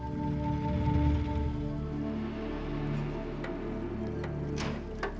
amang ketangkeh tanpa ngasih